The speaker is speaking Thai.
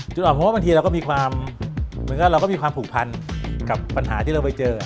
ออกเพราะว่าบางทีเราก็มีความเหมือนกับเราก็มีความผูกพันกับปัญหาที่เราไปเจอ